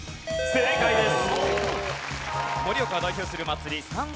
正解です。